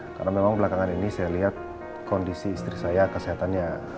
karena memang belakangan ini saya lihat kondisi istri saya kesehatannya